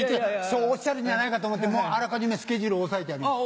そうおっしゃるんじゃないかと思ってあらかじめスケジュールを押さえてあります。